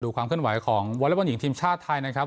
ดูความขึ้นไหวของวลัยบอลหญิงทีมชาติไทยนะครับ